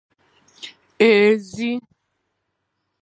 ézì